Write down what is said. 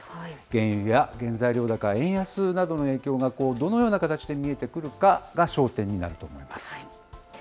原油や原材料高、円安などの影響がどのような形で見えてくるかが焦点になると思います。